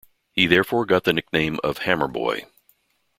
He therefore got the nickname of "Hammerboy".